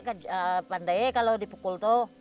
orang ini pandai kalau dipukul